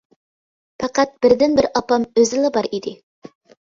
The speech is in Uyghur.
پەقەت بىردىنبىر ئاپام ئۆزىلا بار ئىدى.